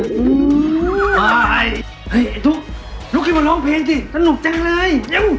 เฮ้ยไอ้ทุกข์ลุกกินมาร้องเพลงสิสนุกจังเลย